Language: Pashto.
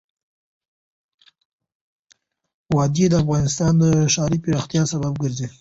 وادي د افغانستان د ښاري پراختیا سبب کېږي.